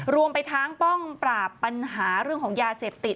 รวมไปทั้งป้องปราบปัญหาเรื่องของยาเสพติด